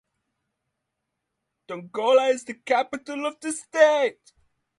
Dongola is the capital of the state.